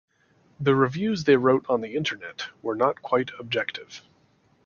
The reviews they wrote on the Internet were not quite objective.